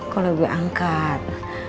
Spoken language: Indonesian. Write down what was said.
kalau gue angkat